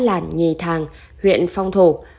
xã lản nhì thàng huyện phong thổ